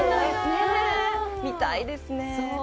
見たいですね。